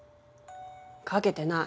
掛けてない。